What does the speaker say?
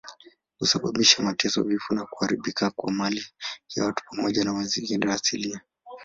Husababisha mateso, vifo na kuharibika kwa mali ya watu pamoja na mazingira asilia.